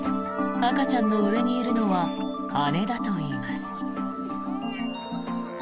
赤ちゃんの上にいるのは姉だといいます。